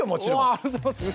ありがとうございます！